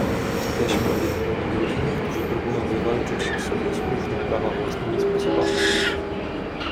"Jesteśmy biednymi ludźmi, którzy próbują wywalczyć sobie słuszne prawa własnymi sposobami."